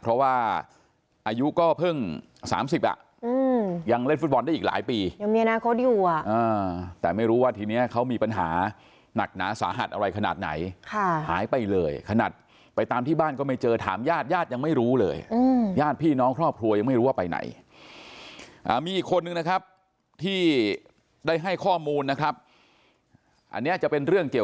เพราะว่าอายุก็เพิ่ง๓๐อ่ะยังเล่นฟุตบอลได้อีกหลายปียังมีอนาคตอยู่แต่ไม่รู้ว่าทีนี้เขามีปัญหาหนักหนาสาหัสอะไรขนาดไหนหายไปเลยขนาดไปตามที่บ้านก็ไม่เจอถามญาติญาติยังไม่รู้เลยญาติพี่น้องครอบครัวยังไม่รู้ว่าไปไหนมีอีกคนนึงนะครับที่ได้ให้ข้อมูลนะครับอันนี้จะเป็นเรื่องเกี่ยว